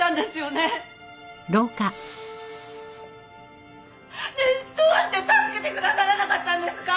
ねえどうして助けてくださらなかったんですか！？